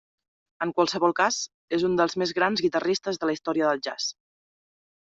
En qualsevol cas, és un dels més grans guitarristes de la història del jazz.